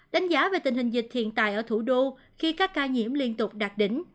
đánh giá về tình hình dịch hiện tại ở thủ đô khi các ca nhiễm liên tục đạt đỉnh